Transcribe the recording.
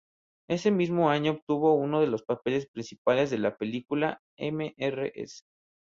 Ese mismo año obtuvo uno de los papeles principales de la película "Mrs.